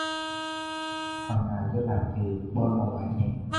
phần nào chưa làm thì bôi màu vàng nhé